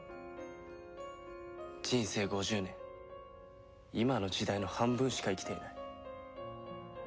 人生五十年今の時代の半分しか生きていない。